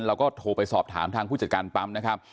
เราก็โทรไปสอบถามทางผู้จัดการปั๊มนะครับ